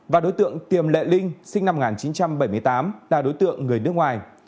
và đối tượng tiềm lệ linh sinh năm một nghìn chín trăm bảy mươi tám là đối tượng người nước ngoài